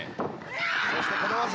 そしてこの技！